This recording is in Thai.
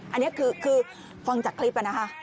อันนี้คือฟังจากคลิปนะคะ